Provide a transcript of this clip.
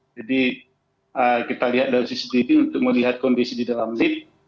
jadi kita lihat dari cctv untuk melihat kondisi di dalam lift